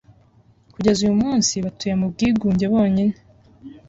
Kugeza uyu munsi batuye mu bwigunge bonyine